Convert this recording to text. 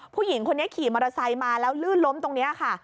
ผู้หญิงคนนี้ขี่มอเตอร์ไซค์มาแล้วลื่นล้มตรงนี้ค่ะ